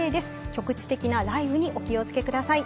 局地的な雷雨にお気をつけください。